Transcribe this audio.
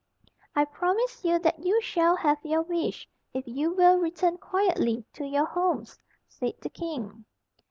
"I promise you that you shall have your wish, if you will return quietly to your homes," said the king.